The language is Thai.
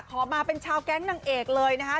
ขอมาเป็นชาวแก๊งนางเอกเลยนะคะ